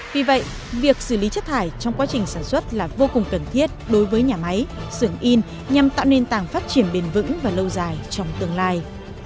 vì vậy việc xử lý chất thải trong quá trình sản xuất là vô cùng cần thiết đối với nhà máy sưởng in nhằm tạo nền tảng phát triển bền vững và lâu dài trong tương lai